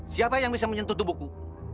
siapa yang bisa menyentuh tubuhku